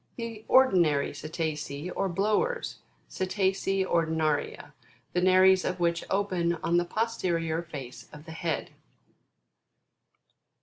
The ORDINARY CETACEA, or BLOWERS, Cetacea Ordinaria, the nares of which open on the posterior face of the head.